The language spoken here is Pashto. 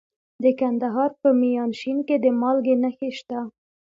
د کندهار په میانشین کې د مالګې نښې شته.